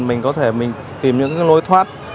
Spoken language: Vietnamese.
mình có thể mình tìm những cái lối thoát